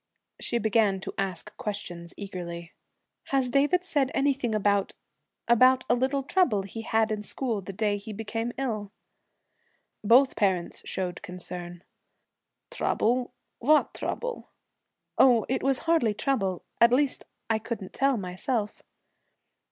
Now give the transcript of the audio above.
She began to ask questions eagerly. 'Has David said anything about about a little trouble he had in school the day he became ill?' Both parents showed concern. 'Trouble? what trouble?' 'Oh, it was hardly trouble at least, I couldn't tell myself.'